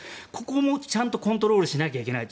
ここもちゃんとコントロールしなきゃいけない。